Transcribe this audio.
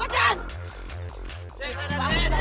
bangu cien bangu cien